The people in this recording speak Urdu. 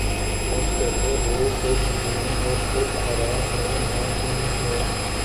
سچ کہتے ہو خودبین و خود آرا ہوں نہ کیوں ہوں